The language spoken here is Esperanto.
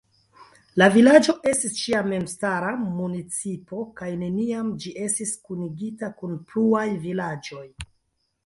La vilaĝo estis ĉiam memstara municipo kaj neniam ĝi estis kunigita kun pluaj vilaĝoj.